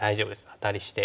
アタリして。